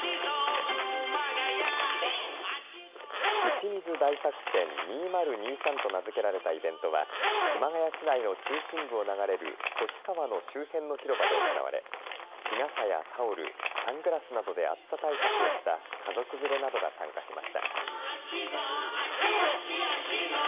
打ち水大作戦２０２３と名付けられたイベントは熊谷市内の中心部を流れる星川の周辺の広場で行われ日傘やタオル、サングラスなどで暑さ対策をした家族連れなどが参加しました。